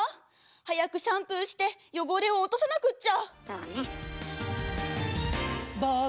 早くシャンプーして汚れを落とさなくっちゃ！